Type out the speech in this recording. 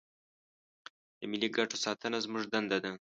د ملي ګټو ساتنه زموږ دنده ده.